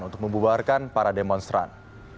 untuk membuarkan para demonstran